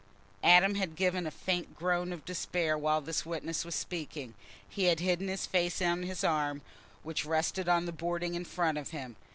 Adam had given a faint groan of despair while this witness was speaking. He had hidden his face on his arm, which rested on the boarding in front of him.